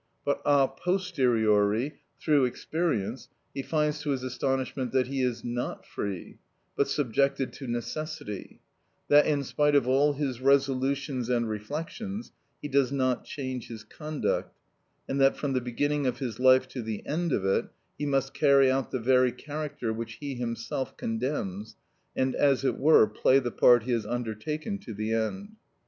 But a posteriori, through experience, he finds to his astonishment that he is not free, but subjected to necessity; that in spite of all his resolutions and reflections he does not change his conduct, and that from the beginning of his life to the end of it, he must carry out the very character which he himself condemns, and as it were play the part he has undertaken to the end.